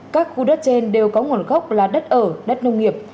các khu đất trên đều có nguồn gốc là đất ở đất nông nghiệp